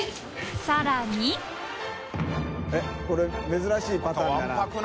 これ珍しいパターンだな。